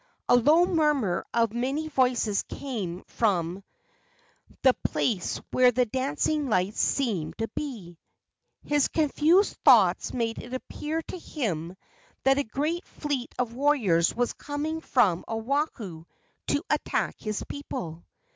A low murmur of many voices came from the place where the dancing lights seemed to be. His confused thoughts made it appear to him that a great fleet of warriors was coming from Oahu to attack his people.